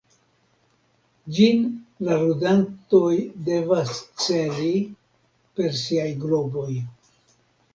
Ĝin la ludantoj devas celi per siaj globoj.